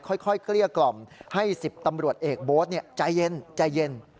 ค่อยเกลี้ยกล่อมให้๑๐ตำรวจเอกโบสต์ใจเย็น